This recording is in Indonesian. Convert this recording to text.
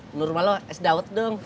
bunur malo es dawat dong